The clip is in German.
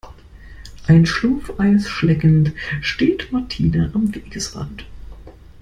Ein Schlumpfeis schleckend steht Martina am Wegesrand.